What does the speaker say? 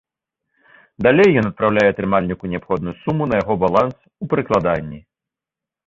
Далей ён адпраўляе атрымальніку неабходную суму на яго баланс у прыкладанні.